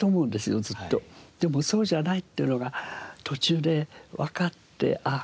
でもそうじゃないっていうのが途中でわかってああ